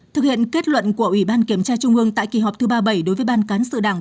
thực hiện kết luận của ủy ban kiểm tra trung ương tại kỳ họp thứ ba mươi bảy đối với ban cán sự đảng